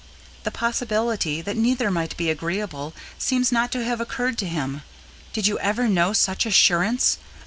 The possibility that neither might be agreeable seems not to have occurred to him. Did you ever know such assurance?